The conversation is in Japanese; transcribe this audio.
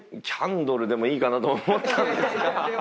キャンドルでもいいかなと思ったんですが。